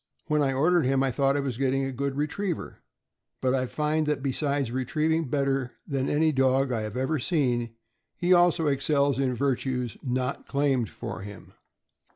When I ordered him I thought I was getting a good retriever, but I find that, besides retrieving better than any THE CHESAPEAKE BAY DOG. 365 dog I have ever seen, he excels also in virtues not claimed for him."